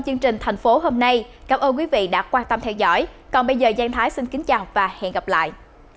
cảm ơn các bạn đã theo dõi hẹn gặp lại